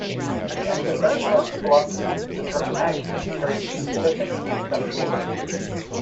In Existentialist philosophy the term "angst" carries a specific conceptual meaning.